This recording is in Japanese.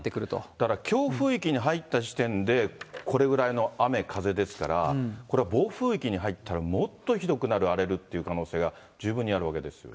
だから強風域に入った時点で、これぐらいの雨、風ですから、これ、暴風域に入ったら、もっとひどくなる、荒れるって可能性が十分にあるわけですよね。